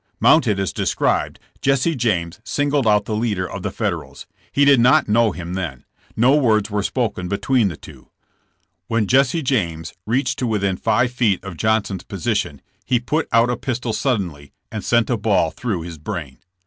Mounted as described, Jesse James singled out the leader of the Federals. He did not know him then. No words were spoken between the two. When Jesse James reached to within five feet of Johnson's position, he put out a pistol suddenly and sent a bullet through his brain.